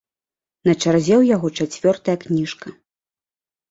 На чарзе ў яго чацвёртая кніжка.